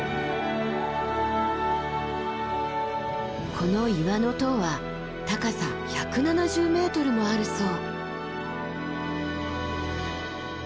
この岩の塔は高さ１７０ｍもあるそう。